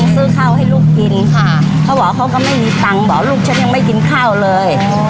ซื้อข้าวให้ลูกกินค่ะเขาบอกเขาก็ไม่มีตังค์บอกลูกฉันยังไม่กินข้าวเลย